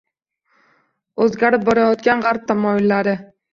O‘zgarib borayotgan g‘arb tamoyillari